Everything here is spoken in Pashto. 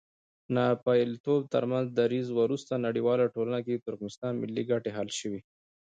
د ناپېیلتوب تر دریځ وروسته نړیواله ټولنه کې د ترکمنستان ملي ګټې حل شوې.